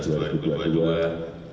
selamat kepada seluruh